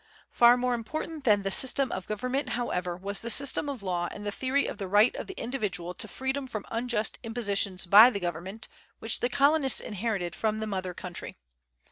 Far more important than the system of government, however, was the system of law and the theory of the right of the individual to freedom from unjust impositions by the government which the colonists inherited from the mother country.